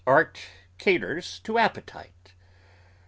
Art caters to appetite.